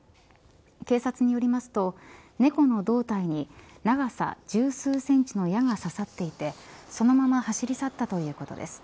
警察によりますと、猫の胴体に長さ十数センチの矢が刺さっていてそのまま走り去ったということです。